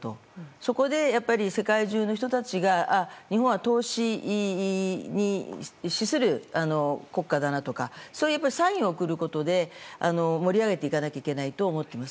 そこで、世界中の人たちが日本は投資する国家だなとかそういうサインを送ることで盛り上げていかないと思っております。